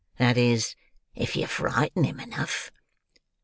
That is, if you frighten him enough."